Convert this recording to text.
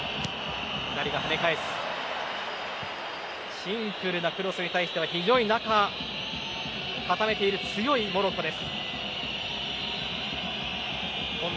シンプルなクロスに対しては非常に中を固めている強いモロッコです。